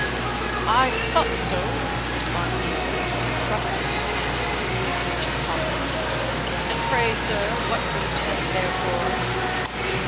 "I thought so," responded the other, thrusting his hands into his breeches pockets. "And pray, sir, what were you sent there for?"